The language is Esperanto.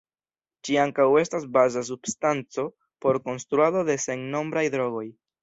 Ĝi ankaŭ estas baza substanco por konstruado de sennombraj drogoj.